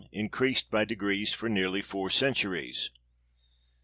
in creased by degrees for near four centuries.